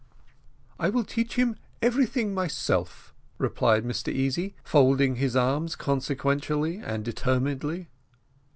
"I will teach him everything myself," replied Mr Easy, folding his arms consequentially and determinedly.